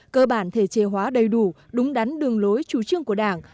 cơ bản thể chế hóa đầy đủ đúng đắn đường lối chủ trương của đảng